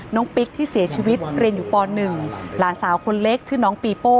ปิ๊กที่เสียชีวิตเรียนอยู่ป๑หลานสาวคนเล็กชื่อน้องปีโป้